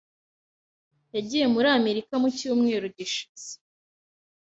Yagiye muri Amerika mu cyumweru gishize.